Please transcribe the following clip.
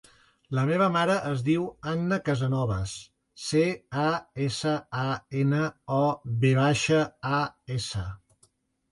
La meva mare es diu Anna Casanovas: ce, a, essa, a, ena, o, ve baixa, a, essa.